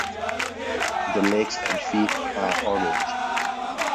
The legs and feet are orange.